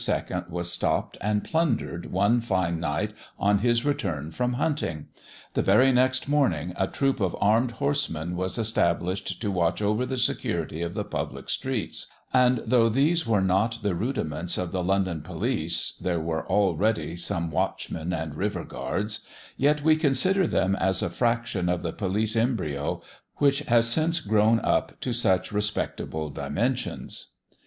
was stopped and plundered one fine night on his return from hunting. The very next morning a troop of armed horsemen was established to watch over the security of the public streets, and though these were not the rudiments of the London Police (there were already some watchmen and river guards), yet we consider them as a fraction of the police embryo which has since grown up to such respectable dimensions.